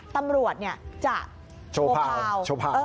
ตำรวจจะโชว์พาว